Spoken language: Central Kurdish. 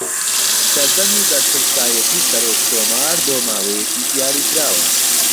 سەردەمی بەرپرسایەتی سەرۆککۆمار بۆ ماوەیەکی دیاریکراوە